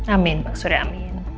amin pak surya amin